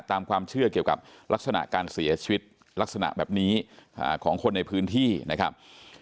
ตามความเชื่อเกี่ยวกับลักษณะการเสียชีวิตลักษณะแบบนี้ของคนในพื้นที่นะครับ